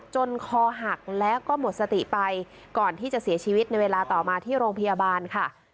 คอหักแล้วก็หมดสติไปก่อนที่จะเสียชีวิตในเวลาต่อมาที่โรงพยาบาลค่ะ